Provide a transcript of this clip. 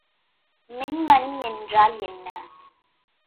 மின்மணி என்றால் என்ன?